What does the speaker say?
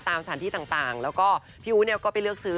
ตามฐานที่ต่างแล้วก็พี่อู๋ไปเลือกซื้อ